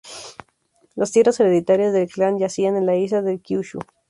Las tierras hereditarias del clan yacían en la isla de Kyūshū.